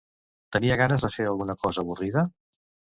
Tenien ganes de fer alguna cosa avorrida?